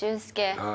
はい。